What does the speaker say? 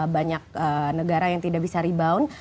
banyak negara yang tidak bisa rebound